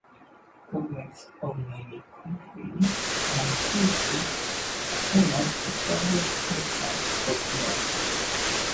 Governments of many countries mandated performance of various programs for demand management.